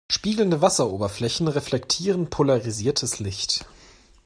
Spiegelnde Wasseroberflächen reflektieren polarisiertes Licht.